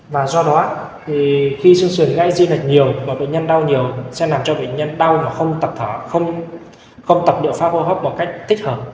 và do đó thì khi sân sườn gây di lệch nhiều và bệnh nhân đau nhiều sẽ làm cho bệnh nhân đau và không tập điệu phá hô hấp một cách thích hợp